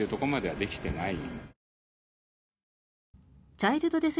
チャイルド・デス・